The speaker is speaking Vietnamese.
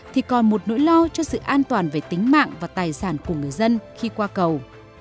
thì còn một nỗi lo cho sự an toàn về tính mạng và tài sản của người dân khi qua cầu